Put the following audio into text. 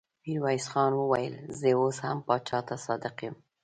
ميرويس خان وويل: زه اوس هم پاچا ته صادق يم.